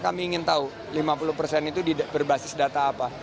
kami ingin tahu lima puluh persen itu berbasis data apa